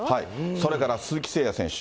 それから鈴木誠也選手。